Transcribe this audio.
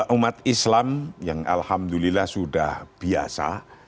umat islam yang alhamdulillah sudah biasa